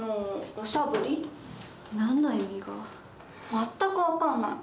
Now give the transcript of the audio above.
全く分かんない。